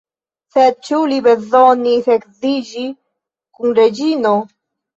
Sed ĉu li bezonis edziĝi kun Reĝino?